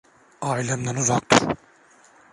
Ailemden uzak dur.